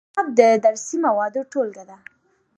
نصاب د درسي موادو ټولګه ده